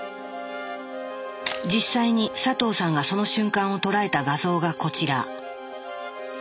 実際に佐藤さんがその瞬間を捉えた画像がこちら。